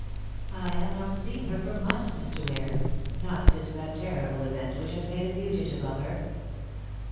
"I have not seen her for months, Mr. Ware, not since that terrible event which has made a fugitive of her."